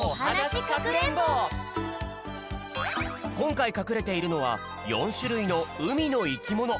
こんかいかくれているのは４しゅるいのうみのいきもの。